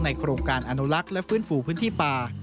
โครงการอนุลักษ์และฟื้นฟูพื้นที่ป่า